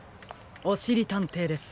おしりたんていです。